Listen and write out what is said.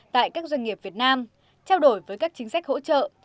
tại các doanh nghiệp việt nam trao đổi với các chính sách hỗ trợ